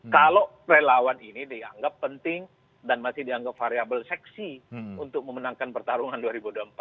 kalau relawan ini dianggap penting dan masih dianggap variable seksi untuk memenangkan pertarungan dua ribu dua puluh empat